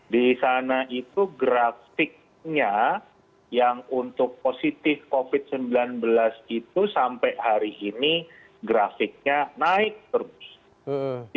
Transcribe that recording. di sana itu grafiknya yang untuk positif covid sembilan belas itu sampai hari ini grafiknya naik terus